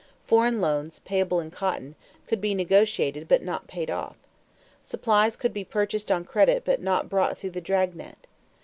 Foreign loans, payable in cotton, could be negotiated but not paid off. Supplies could be purchased on credit but not brought through the drag net.